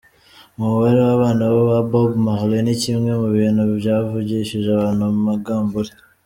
Umubare w’abana ba Bob Marley ni kimwe mu bintu byavugishije abantu amangambure.